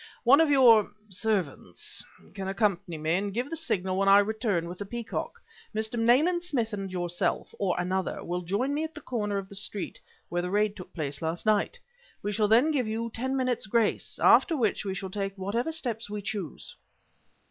One of your servants can accompany me, and give the signal when I return with the peacock. Mr. Nayland Smith and yourself, or another, will join me at the corner of the street where the raid took place last night. We shall then give you ten minutes grace, after which we shall take whatever steps we choose."